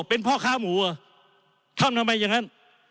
เป็นข้อข้ามหูเว่อธ่ามทำไมอย่างนั้น